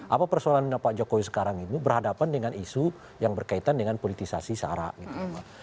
apa persoalan pak jokowi sekarang itu berhadapan dengan isu yang berkaitan dengan politisasi sarah